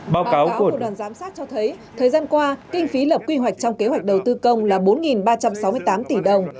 báo cáo của đoàn giám sát cho thấy thời gian qua kinh phí lập quy hoạch trong kế hoạch đầu tư công là bốn ba trăm sáu mươi tám tỷ đồng